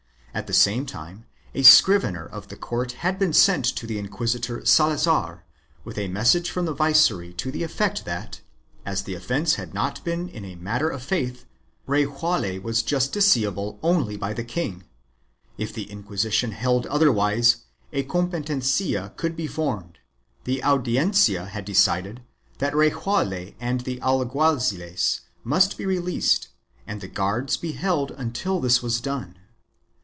At the same time a scrivener of the court had been sent to the inquisitor Salazar with a message from the viceroy to the effect that, as the offence had not been in a matter of faith, Rejaule was justiciable only by the king; if the Inquisition held otherwise a competencia could be formed; the Audiencia had decided that Rejaule and the alguaziles must be released and the guards be held until this was done.